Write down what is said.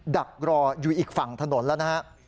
ดักรออยู่อีกฝั่งถนนแล้วนะฮะ